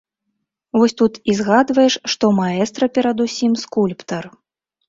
Вось тут і згадваеш, што маэстра перадусім скульптар.